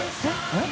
えっ？